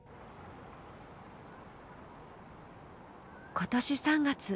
今年３月。